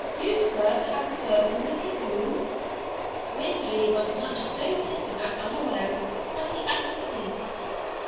You, sir, have served in the dragoons?' Waverley was taken so much at unawares that he acquiesced.